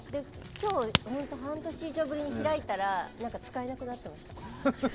今日、本当に半年以上ぶりに開いたらなんか使えなくなってました。